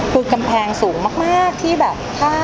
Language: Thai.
คือกำแพงสูงมากที่แบบ